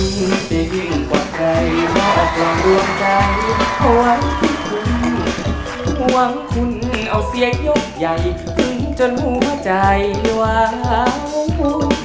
หวังคุณเอาเสียงยกใหญ่ขึ้นจนหัวใจหวาว